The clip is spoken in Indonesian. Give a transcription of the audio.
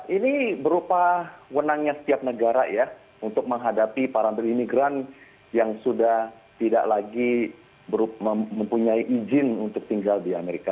ini berupa wenangnya setiap negara ya untuk menghadapi para menteri imigran yang sudah tidak lagi mempunyai izin untuk tinggal di amerika